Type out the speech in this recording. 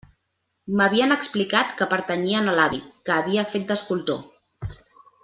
M'havien explicat que pertanyien a l'avi, que havia fet d'escultor.